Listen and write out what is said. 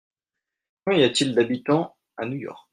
Combien y a-t-il d’habitants à New York ?